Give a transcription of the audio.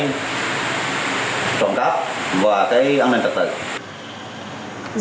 trộm cắp và cái an ninh trật tự